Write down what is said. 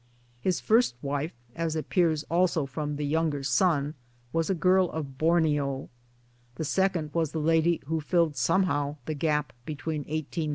His first wife (as appears also from The Younger Son) was a girl of Borneo. The second was the lady who filled somehow the gap between 1813 and 1820.